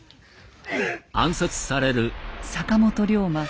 坂本龍馬